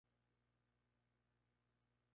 Los árboles, las plantas han desaparecido.